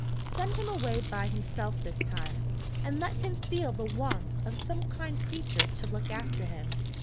Send him away by himself this time; and let him feel the want of some kind creature to look after him.